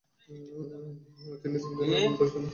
তিনি তিন বোনের একমাত্র ভাই ছিলেন।